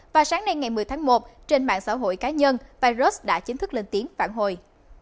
và sáng nay ngày một mươi tháng một trên mạng xã hội cá nhân piros đã chính thức lên tiếng phản hồi